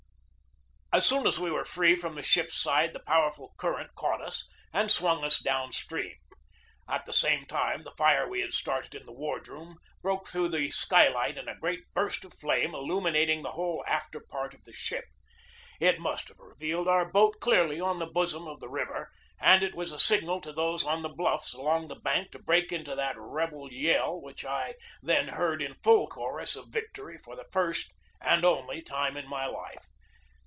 As soon as we were free of the ship's side the powerful current caught us and swung us down THE BATTLE OF PORT HUDSON 101 stream. At the same time, the fire we had started in the wardroom broke through the skylight in a great burst of flame, illuminating the whole after part of the ship. It must have revealed our boat clearly on the bosom of the river, and it was a signal to those on the bluffs along the banks to break into that rebel yell which I then heard in full chorus of victory for the first and only time in my life.